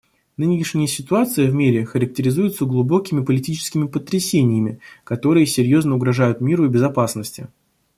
Нынешняя ситуация в мире характеризуется глубокими политическими потрясениями, которые серьезно угрожают миру и безопасности.